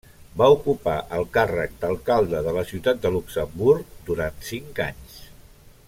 Va ocupar el càrrec d'alcalde de la ciutat de Luxemburg durant cinc anys.